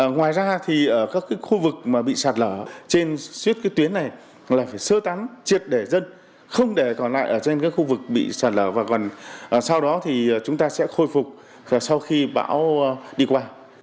ngoài ra thì ở các khu vực mà bị sạt lở trên suốt cái tuyến này là phải sơ tán triệt để dân không để còn lại ở trên các khu vực bị sạt lở và còn sau đó thì chúng ta sẽ khôi phục sau khi bão đi qua